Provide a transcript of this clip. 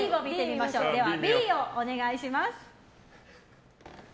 Ｂをお願いします。